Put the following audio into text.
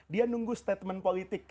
dia nunggu statement politik